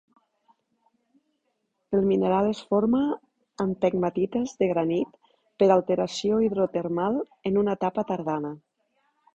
El mineral es forma en pegmatites de granit per alteració hidrotermal en una etapa tardana.